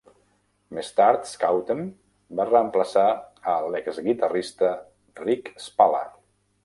Més tard, Scouten va reemplaçar a l'exguitarrista Rich Spalla.